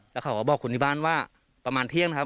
แล้วเขาก็บอกคนที่บ้านว่าประมาณเที่ยงนะครับ